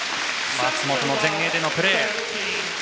松本の前衛でのプレー。